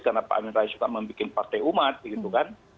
karena pak amin rais suka membuat partai umat gitu kan